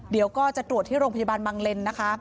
เดี๋ยวก็จะตรวจที่โรงพยาบาลบังเลนนะคะ